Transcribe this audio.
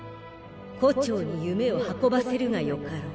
胡蝶に夢を運ばせるが良かろう。